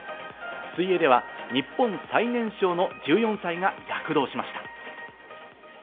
水泳では日本最年少の１４歳が躍動しました。